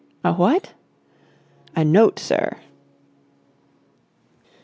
"A what?" "A note, sir."